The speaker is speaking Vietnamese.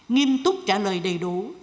nghiêm túc trả lời đầy đủ